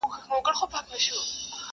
قاسم یار سي لېونی پتنګ لمبه سي,